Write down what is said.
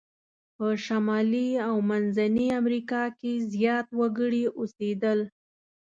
په شمالي او منځني امریکا کې زیات وګړي اوسیدل.